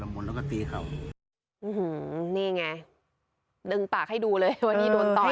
หมดแล้วก็ตีเขานี่ไงดึงปากให้ดูเลยวันนี้โดนต่อย